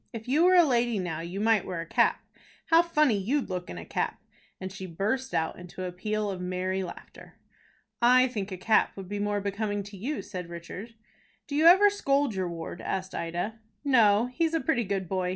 "If you were a lady now, you might wear a cap. How funny you'd look in a cap!" and she burst out into a peal of merry laughter. "I think a cap would be more becoming to you," said Richard. "Do you ever scold your ward?" asked Ida. "No, he's a pretty good boy.